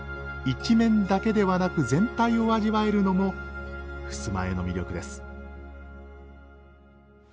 １面だけではなく全体を味わえるのも襖絵の魅力です